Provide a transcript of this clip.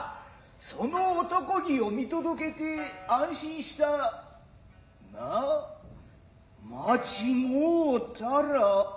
その男気を見届けて安心した。が間違うたら表沙汰じゃ。